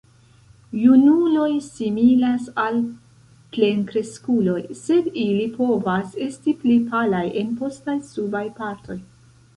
Junuloj similas al plenkreskuloj, sed ili povas esti pli palaj en postaj subaj partoj.